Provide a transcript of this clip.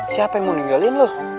siapa yang mau ninggalin loh